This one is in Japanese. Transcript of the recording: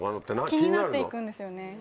気になって行くんですよね。